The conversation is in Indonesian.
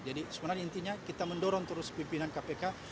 jadi sebenarnya intinya kita mendorong terus pimpinan kpk